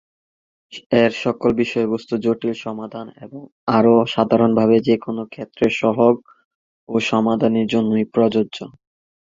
এর সকল বিষয়বস্তু জটিল সমাধান, এবং আরও সাধারণভাবে, যেকোন ক্ষেত্রের সহগ ও সমাধানের জন্যই প্রযোজ্য।